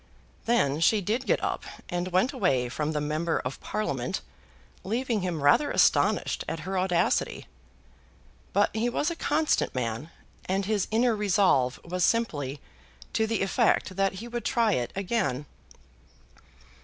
Then she did get up, and went away from the Member of Parliament, leaving him rather astonished at her audacity. But he was a constant man, and his inner resolve was simply to the effect that he would try it again.